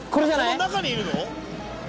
この中にいるの？